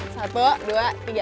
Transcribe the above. satu dua tiga